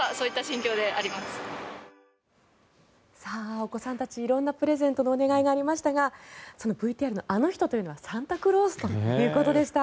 お子さんたち色んなプレゼントのお願いがありましたがそのＶＴＲのあの人というのはサンタクロースということでした。